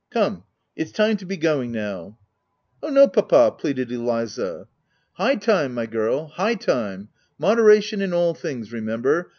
Come it's time to be going nowV u Oh, no, papa !" pleaded Eliza. " High time my girl — high time !— Modera tion in all things remember